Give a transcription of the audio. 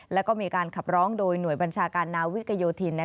แล้วก็มีการขับร้องโดยหน่วยบัญชาการนาวิกโยธิน